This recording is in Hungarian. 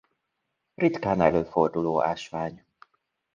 Ritkán előforduló ásvány.